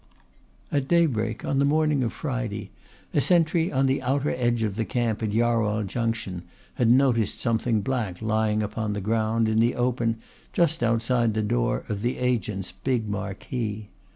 At daybreak on the morning of the Friday a sentry on the outer edge of the camp at Jarwhal Junction had noticed something black lying upon the ground in the open just outside the door of the Agent's big marquee.